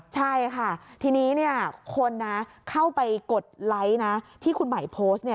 ใช่ค่ะทีนี้คนเข้าไปกดไลค์นะที่คุณหมายโพสต์